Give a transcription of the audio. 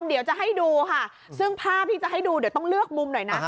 เดี๋ยวจะให้ดูค่ะซึ่งภาพที่จะให้ดูเดี๋ยวต้องเลือกมุมหน่อยนะ